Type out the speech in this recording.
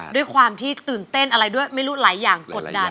ด้วยความที่ตื่นเต้นอะไรด้วยไม่รู้หลายอย่างกดดัน